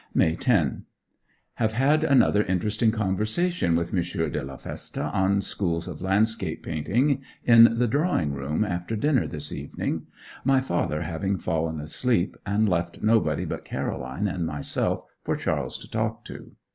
May 10. Have had another interesting conversation with M. de la Feste on schools of landscape painting in the drawing room after dinner this evening my father having fallen asleep, and left nobody but Caroline and myself for Charles to talk to.